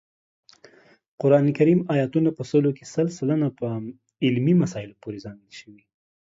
قران کریم آیاتونه په سلو کې شل سلنه په علمي مسایلو پورې ځانګړي شوي